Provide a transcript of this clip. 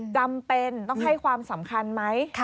จำเป็นต้องให้ความสำคัญไหม